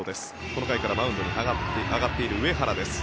この回からマウンドに上がっている上原です。